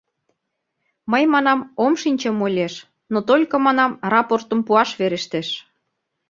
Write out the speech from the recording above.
— Мый, манам, ом шинче мо лиеш, но только, манам, рапортым пуаш верештеш.